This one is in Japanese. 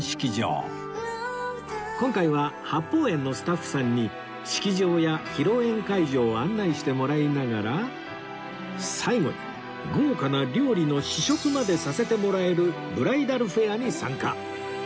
今回は八芳園のスタッフさんに式場や披露宴会場を案内してもらいながら最後に豪華な料理の試食までさせてもらえるブライダルフェアに参加